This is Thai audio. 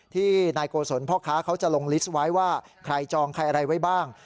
ที่นายโกศลพ่อค้าเขาจะลงลิสต์ไว้ว่าใครจองใครอะไรไว้บ้าง